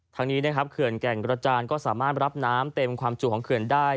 ทางนี้นะครับเขื่อนแก่งกระจานก็สามารถรับน้ำเต็มความจุของเขื่อนได้